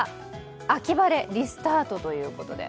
秋晴れリスタートということで。